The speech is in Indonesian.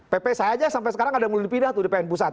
pp saya aja sampai sekarang ada yang mau dipindah tuh di pn pusat